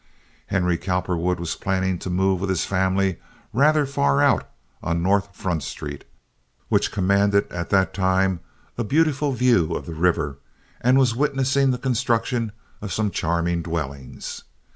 Henry Cowperwood was planning to move with his family rather far out on North Front Street, which commanded at that time a beautiful view of the river and was witnessing the construction of some charming dwellings.